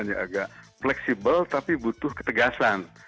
mungkin suatu model kemimpinannya agak fleksibel tapi butuh ketegasan